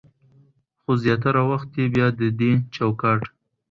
خو زياتره وخت يې بيا د دې چوکاټ